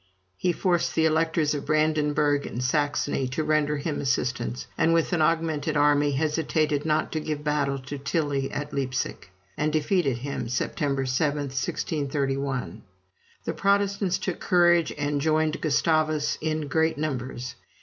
He forced the Electors of Brandenburg and Saxony to render him assistance, and, with an augmented army, hesitated not to give battle to Tilly at Leipsic, and defeated him September 7, 1631. The Protestants took courage and joined Gustavus in great numbers.